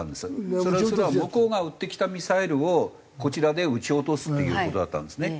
それは向こうが撃ってきたミサイルをこちらで撃ち落とすっていう事だったんですね。